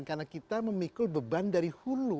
karena kita memikul beban dari hulu